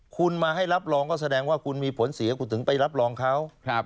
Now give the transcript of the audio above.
คุณมาให้รับรองก็แสดงว่าคุณมีผลเสียคุณถึงไปรับรองเขา